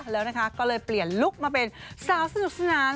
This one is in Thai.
แล้วก็เลยเปลี่ยนลุคมาเป็นสาวสนุกสนาน